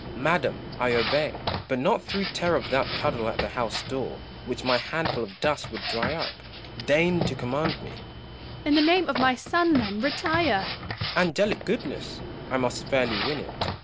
Madam, I obey ; but not through terror of that puddle at the house door, which my handful of dust would dry up. Deign to command me ! Joanna. In the name of my son, then, retire ! Gaunt. Angelic goodness ! I must fairly win it.